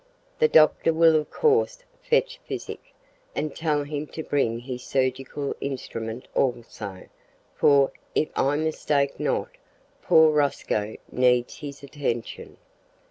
The doctor will of course fetch physic; and tell him to bring his surgical instruments also, for, if I mistake not, poor Rosco needs his attention.